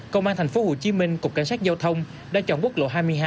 công an tp hcm cục cảnh sát giao thông đã chọn quốc lộ hai mươi hai